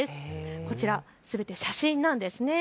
こちら、すべて写真なんです。